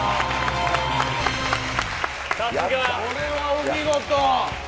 これはお見事！